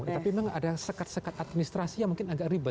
tapi memang ada sekat sekat administrasi yang mungkin agak ribet